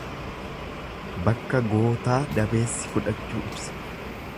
Bakka gootaa dabeessi fudhachuu ibsa.